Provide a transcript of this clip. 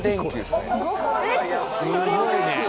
すごいね。